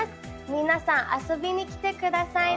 皆さん、遊びに来てくださいね。